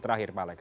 terakhir pak alex